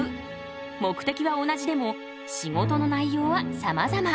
目的は同じでも仕事の内容はさまざま。